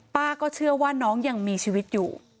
ป้าก็เชื่อว่าน้องยังมีชีวิตอยู่